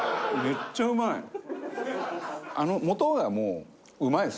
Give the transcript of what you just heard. めっちゃうまい！